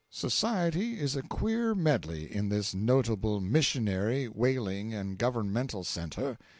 Society is a queer medley in this notable missionary, whaling and governmental centre.